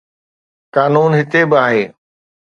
قانون هتي به آهي.